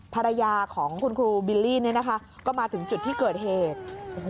ภรรยาของคุณครูบิลลี่เนี่ยนะคะก็มาถึงจุดที่เกิดเหตุโอ้โห